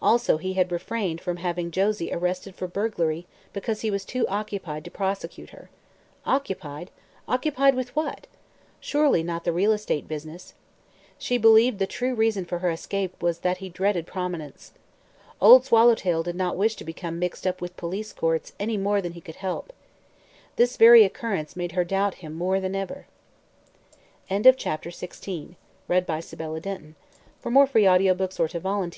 Also he had refrained from having Josie arrested for burglary because he was "too occupied to prosecute her." Occupied? Occupied with what? Surely not the real estate business. She believed the true reason for her escape was that he dreaded prominence. Old Swallowtail did not wish to become mixed up with police courts any more than he could help. This very occurrence made her doubt him more than ever. CHAPTER XVII A CLEW AT LAST That night Josie resumed her watch of Cragg's cottage.